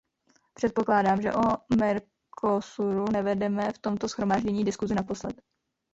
Předpokládám, že o Mercosuru nevedeme v tomto shromáždění diskusi naposled.